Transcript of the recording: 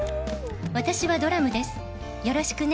「私はドラムです、よろしくね」